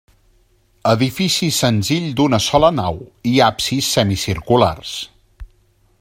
Edifici senzill d'una sola nau i absis semicirculars.